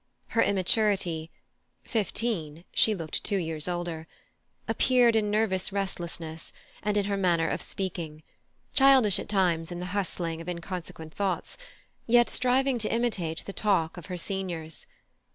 Her immaturity (but fifteen, she looked two years older) appeared in nervous restlessness, and in her manner of speaking, childish at times in the hustling of inconsequent thoughts, yet striving to imitate the talk of her seniors.